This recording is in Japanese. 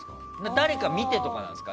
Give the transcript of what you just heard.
誰か見てとかなんですか？